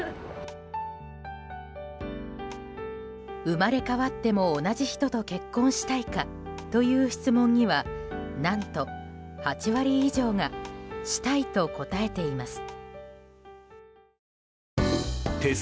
生まれ変わっても同じ人と結婚したいかという質問には何と、８割以上がしたいと答えています。